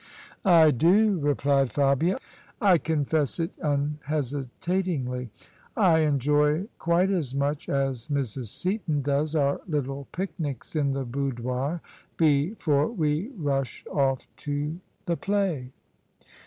"I do," replied Fabia: "I confess it unhesitatingly. I enjoy quite as much as Mrs, Seaton does our little picnics in the boudoir before we rush off to the play."